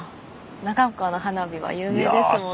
長岡の花火は有名ですもんね。